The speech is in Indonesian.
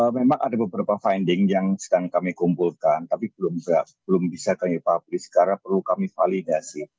memang ada beberapa finding yang sedang kami kumpulkan tapi belum bisa kami publis karena perlu kami validasi